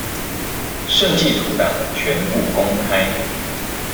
設計圖檔全部公開